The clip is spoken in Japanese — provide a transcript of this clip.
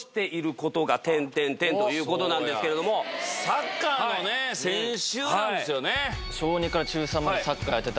サッカーの選手なんですよね。